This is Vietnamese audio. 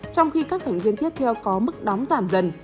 trong khi các thành viên tiếp theo có mức đóng giảm dần